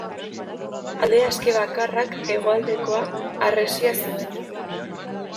Alde aske bakarrak, hegoaldekoa, harresia zuen.